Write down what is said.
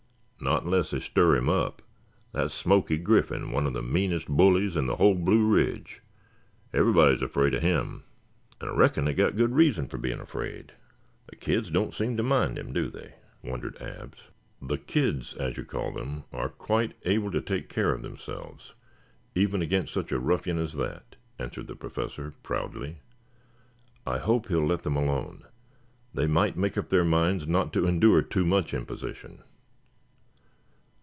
"Not unless they stir him up. That's Smoky Griffin, one of the meanest bullies in the whole Blue Ridge. Everybody's afraid of him and I reckon they've got good reason fer being afraid. The kids don't seem to mind him, do they?" wondered Abs. "The kids, as you call them, are quite able to take care of themselves, even against such a ruffian as that," answered the Professor, proudly. "I hope he will let them alone. They might make up their minds not to endure too much imposition."